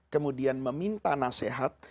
kemudian meminta nasehat